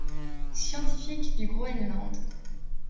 Scientifique du Groenland.